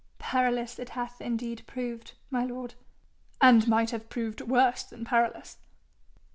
'Perilous it hath indeed proved, my lord.' 'And might have proved worse than perilous.'